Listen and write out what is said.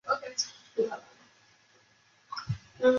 云贵谷精草为谷精草科谷精草属下的一个种。